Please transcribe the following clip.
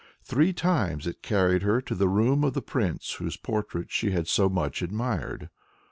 Three times it carried her to the room of the prince whose portrait she had so much admired.